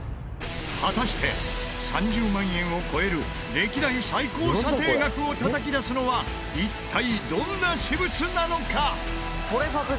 果たして３０万円を超える歴代最高査定額をたたき出すのは一体どんな私物なのか？